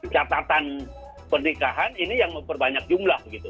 catatan pernikahan ini yang memperbanyak jumlah begitu